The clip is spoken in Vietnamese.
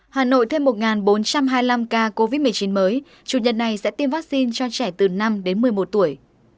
hà nội thêm một bốn trăm hai mươi năm ca covid một mươi chín mới chủ nhật này sẽ tiêm vaccine cho trẻ từ năm đến một mươi một tuổi